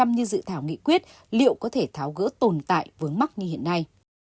như dự thảo nghị quyết liệu có thể tháo gỡ tồn tại vướng mắc như hiện nay